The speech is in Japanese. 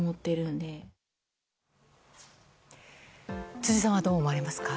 辻さんはどう思われますか？